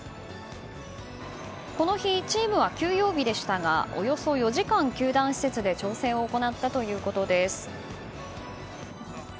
この日、チームは休養日でしたがおよそ４時間、球団施設で調整を行ったということです。